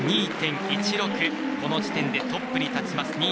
この時点でトップに立ちます。